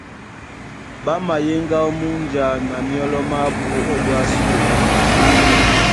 Ɓá mayéŋgá ó múnja na myɔ́lɔ mábū ó ɓwá súe.